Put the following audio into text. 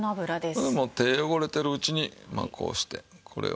ほんでもう手汚れてるうちにまあこうしてこれを。